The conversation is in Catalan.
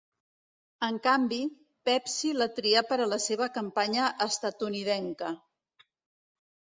En canvi, Pepsi la trià per a la seva campanya estatunidenca.